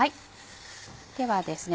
ではですね